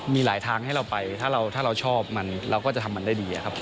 มีหลายทางให้เราไปถ้าเราชอบมันเราก็จะทำมันได้ดีครับ